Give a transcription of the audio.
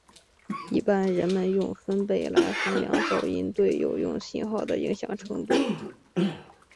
一般人们用分贝来衡量噪音对有用信号的影响程度。